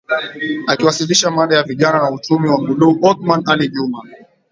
Akiwasilisha mada ya Vijana na Uchumi wa buluu Othman Ali Juma